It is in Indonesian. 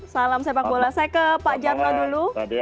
salam sepak bola saya ke pak jarno dulu